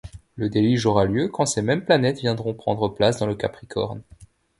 Le Déluge aura lieu quand ces mêmes planètes viendront prendre place dans le Capricorne.